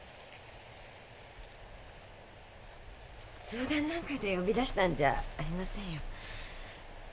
相談なんかで呼び出したんじゃありませんよ。